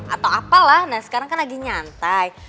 atau apalah nah sekarang kan lagi nyantai